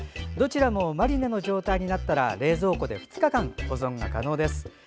どちらもマリネの状態になったら冷蔵庫で２日間保存が可能です。